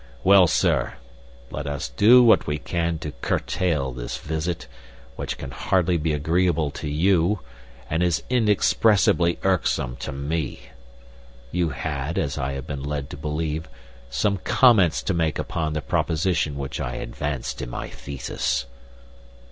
Well, sir, let us do what we can to curtail this visit, which can hardly be agreeable to you, and is inexpressibly irksome to me. You had, as I have been led to believe, some comments to make upon the proposition which I advanced in my thesis."